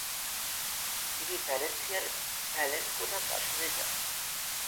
তিনি ভ্যালেন্সিয়ার ভ্যালেনকোনা প্রাসাদে যান।